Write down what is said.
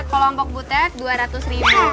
kelompok butet dua ratus ribu